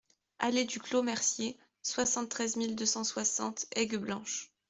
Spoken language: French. Allée du Clos Mercier, soixante-treize mille deux cent soixante Aigueblanche